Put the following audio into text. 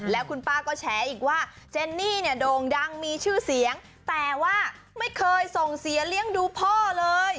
แล้วคุณป้าก็แฉอีกว่าเจนนี่เนี่ยโด่งดังมีชื่อเสียงแต่ว่าไม่เคยส่งเสียเลี้ยงดูพ่อเลย